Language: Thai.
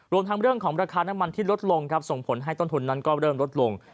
รวมทั้งเรื่องของราคาน้ำมันที่ลดลงครับส่งผลให้ต้นทุนนั้นก็เริ่มลดลง